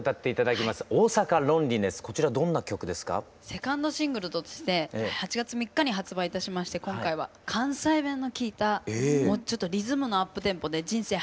セカンドシングルとして８月３日に発売いたしまして今回は関西弁のきいたちょっとリズムのアップテンポで人生